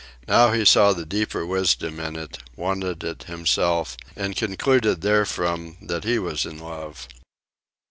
Now he saw the deeper wisdom in it, wanted it himself, and concluded therefrom that he was in love.